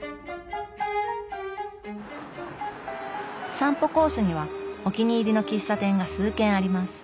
散歩コースにはお気に入りの喫茶店が数軒あります。